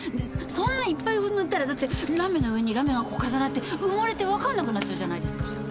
そんないっぱい塗ったらだってラメの上にラメが重なって埋もれてわかんなくなっちゃうじゃないですか。